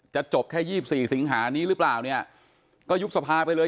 จบแค่๒๔สิงหานี้หรือเปล่าเนี่ยก็ยุบสภาไปเลย